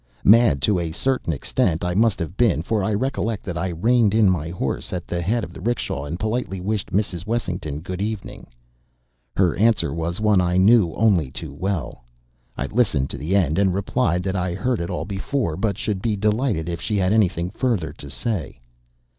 Mad to a certain extent I must have been, for I recollect that I reined in my horse at the head of the 'rickshaw, and politely wished Mrs. Wessington "Good evening." Her answer was one I knew only too well. I listened to the end; and replied that I had heard it all before, but should be delighted if she had anything further to say.